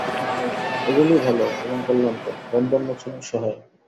এগুলিই ভাল এবং কল্যাণকর, বন্ধন-মোচনের সহায়ক।